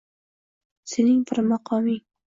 Sening har maqoming…